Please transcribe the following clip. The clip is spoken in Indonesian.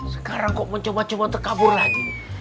sekarang kok mau coba coba kabur lagi